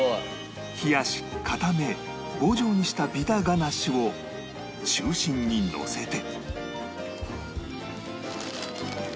冷やし固め棒状にしたビターガナッシュを中心にのせて